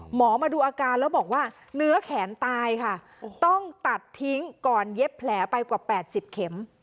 หมอมาดูอาการแล้วบอกว่าเนื้อแขนตายค่ะต้องตัดทิ้งก่อนเย็บแผลไปกว่า๘๐เข็ม